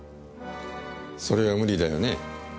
それは無理だよね。